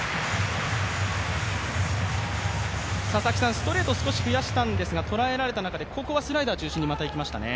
ストレートを少し増やしたんですが、とらえられた中でここはスライダー中心にまたいきましたね。